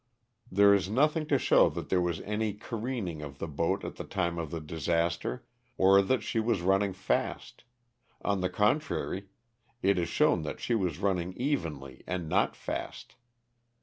19 " There is nothing to show that there was any careening of the boat at the time of the disaster, or that she was running fast ; on the contrary, it is shown that she was running evenly and not fast.